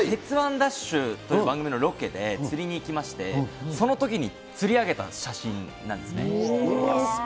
ＤＡＳＨ！！っていう番組のロケで釣りに行きまして、そのときに釣り上げた写真なんですね